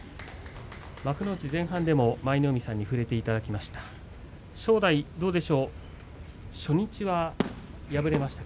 幕内前半でも舞の海さんに触れていただきました。